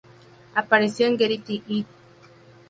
Apareció en "Getting It".